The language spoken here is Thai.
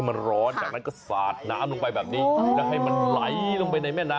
อุ้ยนี่คืออะไรค่ะ